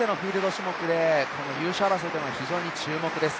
種目で優勝争いは非常に注目です。